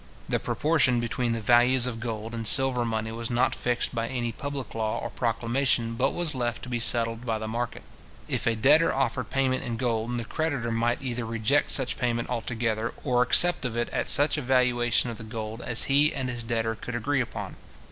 The proportion between the values of gold and silver money was not fixed by any public law or proclamation, but was left to be settled by the market. If a debtor offered payment in gold, the creditor might either reject such payment altogether, or accept of it at such a valuation of the gold as he and his debtor could agree upon.